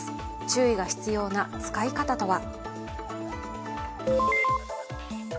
注意が必要な使い方とは。